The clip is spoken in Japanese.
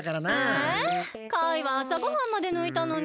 えカイはあさごはんまでぬいたのに。